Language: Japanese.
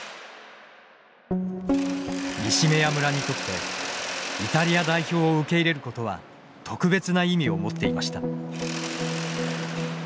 西目屋村にとってイタリア代表を受け入れることは特別な意味を持っていました。